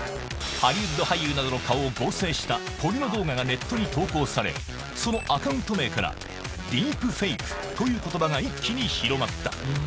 ハリウッド俳優などの顔を合成したポルノ動画がネットに投稿され、そのアカウント名から、ディープフェイクということばが一気に広まった。